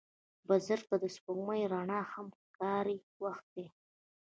بزګر ته د سپوږمۍ رڼا هم کاري وخت دی